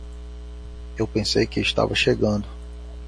Eu pensei que estava chegando.